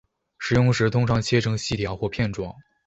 食用时通常切成细条或片状。